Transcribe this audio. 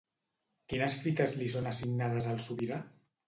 Quines fites li són assignades al sobirà?